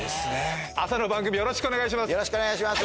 朝の番組よろしくお願いします